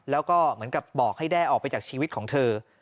แล้วก็เหมือนกับบอกให้แด้ออกไปจากชีวิตของเธอ